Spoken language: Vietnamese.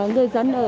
người dân ở đà nẵng